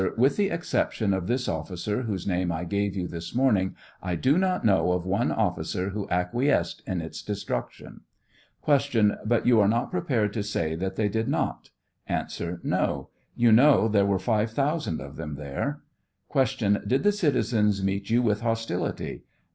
With the exception of this officer, whose name I gave you this morning, I do not know of one officer who acquiesced in its destruction. Q. But you are not prepared to say that they did not? A. No ; you know there were five thousand of them there. Q. Did the citizens meet you with hostility